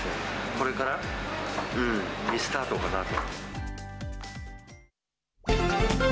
これからリスタートかなと。